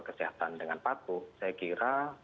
kesehatan dengan patuh saya kira